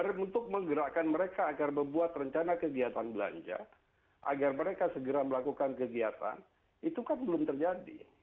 pr untuk menggerakkan mereka agar membuat rencana kegiatan belanja agar mereka segera melakukan kegiatan itu kan belum terjadi